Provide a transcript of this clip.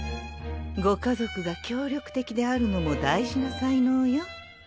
ご家族が協力的であるのも大事な才能よ。